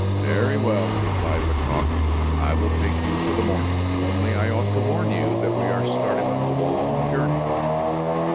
"Very well," replied Lecoq, "I will take you for the morning, only I ought to warn you that we are starting on a long journey."